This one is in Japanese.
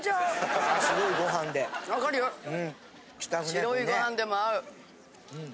白いご飯でも合う。